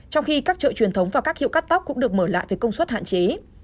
trong khi các chợ truyền thống và các hiệu cắt tóc cũng được mở lại với công suất hạn chế